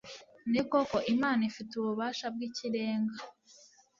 ni koko, imana ifite ububasha bw'ikirenga